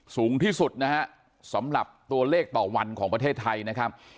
สูงที่สุดนะฮะสำหรับตัวเลขต่อวันของประเทศไทยนะครับ